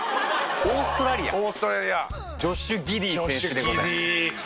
オーストラリアジョシュ・ギディー選手でございます。